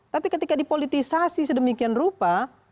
tapi ketika dipolitisasi sedemikian rupa